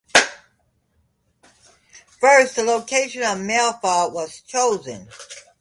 First the location of Melfa was chosen.